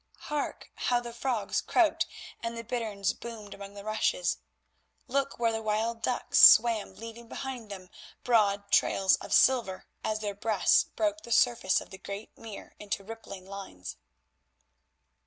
Hark! how the frogs croaked and the bitterns boomed among the rushes. Look where the wild ducks swam leaving behind them broad trails of silver as their breasts broke the surface of the great mere into rippling lines.